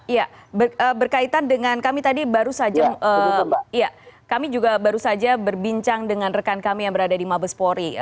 ya berkaitan dengan kami tadi baru saja kami juga baru saja berbincang dengan rekan kami yang berada di mabespori